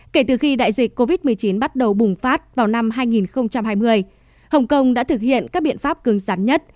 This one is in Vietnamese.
kể từ khi đại dịch covid một mươi chín bắt đầu bùng phát vào năm hai nghìn hai mươi hồng kông đã thực hiện các biện pháp cứng rắn nhất